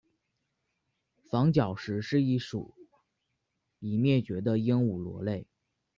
房角石是一属已灭绝的鹦鹉螺类。